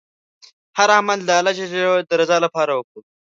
هر عمل د الله ﷻ د رضا لپاره وکړه.